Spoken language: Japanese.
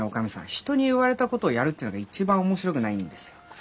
人に言われたことをやるっていうのが一番面白くないんですよ。